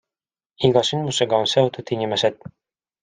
Iga sündmusega on seotud inimesed.